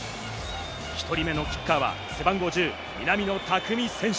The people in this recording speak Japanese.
１人目のキッカーは背番号１０、南野拓実選手。